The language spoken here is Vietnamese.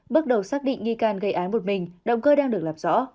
bước đầu xác định nghi can gây án một mình động cơ đang được làm rõ